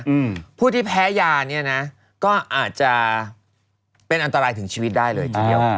อืมผู้ที่แพ้ยาเนี้ยนะก็อาจจะเป็นอันตรายถึงชีวิตได้เลยทีเดียวอ่า